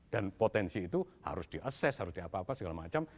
dan potensi itu harus di assess harus di apa apa segala macam